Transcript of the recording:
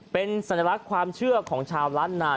เป็นสัญลักษณ์ความเชื่อของชาวล้านนา